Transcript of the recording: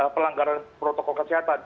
pelanggaran protokol kesehatan